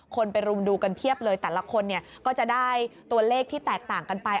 คนไปรุมดูกันเพียบเลยแต่ละคนเนี่ยก็จะได้ตัวเลขที่แตกต่างกันไป